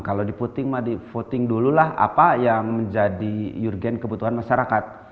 kalau diputing diputing dululah apa yang menjadi yurgen kebutuhan masyarakat